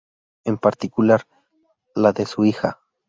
En particular, la de su hija.